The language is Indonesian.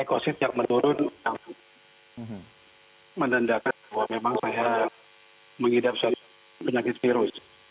rekonsis yang menurun yang menandakan bahwa memang saya menghidap penyakit virus